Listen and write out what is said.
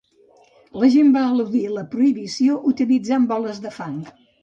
La gent va eludir la prohibició utilitzant boles de fang.